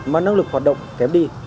mà năng lực hoạt động kém đi